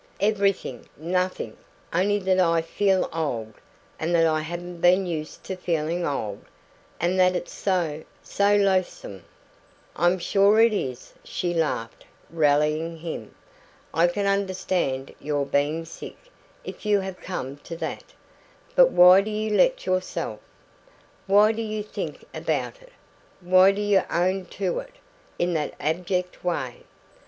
"Everything nothing only that I feel old and that I haven't been used to feeling old and that it's so so loathsome " "I'm sure it is," she laughed, rallying him. "I can understand your being sick, if you have come to that. But why do you let yourself? Why do you think about it? Why do you own to it in that abject way?